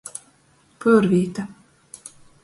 Pyurvīta.